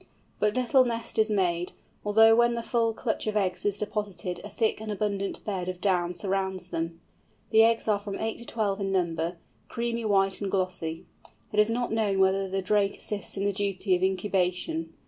But little nest is made, although when the full clutch of eggs is deposited a thick and abundant bed of down surrounds them. The eggs are from eight to twelve in number, creamy white and glossy. It is not known whether the drake assists in the duty of incubation.